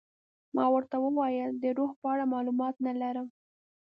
ما ورته وویل د روح په اړه معلومات نه لرم.